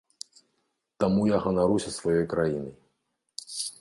Таму я ганаруся сваёй краінай.